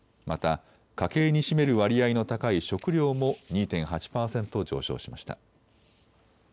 また、家計に占める割合の高い食料も２．８％上昇しました。